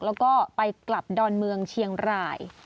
แล้วก็ไปกลับดอนเมืองเชียงราย